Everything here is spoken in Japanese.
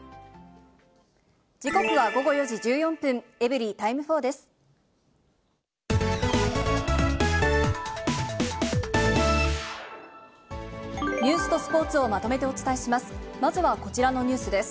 時刻は午後４時１４分、エブリィタイム４です。